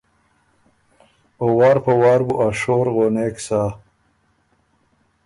او وار په وار بُو ا شور غونېک سۀ۔